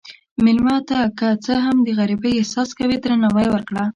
مېلمه ته که څه هم د غریبۍ احساس کوي، درناوی ورکړه.